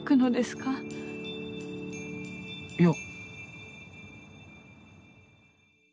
いや。